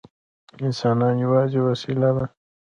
انسان یوازې وسیله ده.